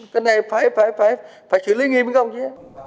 cái này phải xử lý nghiêm không chứ